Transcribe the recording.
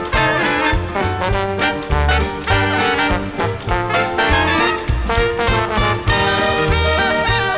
โปรดติดตามต่อไป